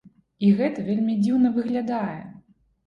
І гэта вельмі дзіўна выглядае.